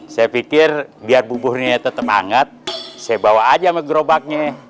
saya pikir biar buburnya tetap hangat saya bawa aja sama gerobaknya